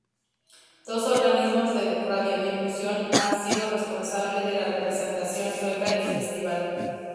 Dos organismos de radiodifusión han sido responsables de la representación sueca en el festival.